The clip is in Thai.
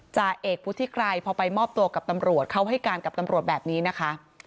จ่าเอกวุฒิไกรพอไปมอบตัวกับตำรวจเขาให้การกับตำรวจแบบนี้นะคะ